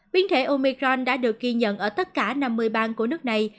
biến thể omecron đã được ghi nhận ở tất cả năm mươi bang của nước này